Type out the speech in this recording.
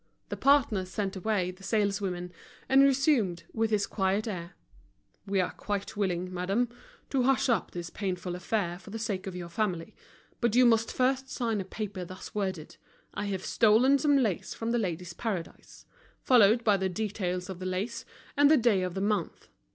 The partner sent away the saleswomen, and resumed, with his quiet air: "We are quite willing, madame, to hush up this painful affair for the sake of your family. But you must first sign a paper thus worded: I have stolen some lace from The Ladies' Paradise,' followed by the details of the lace, and the day of the month.